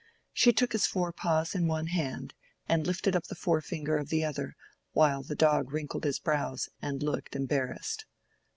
She took his fore paws in one hand, and lifted up the forefinger of the other, while the dog wrinkled his brows and looked embarrassed.